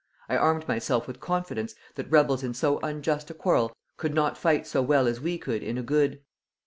I armed myself with confidence that rebels in so unjust a quarrel could not fight so well as we could in a good.